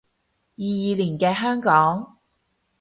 二二年嘅香港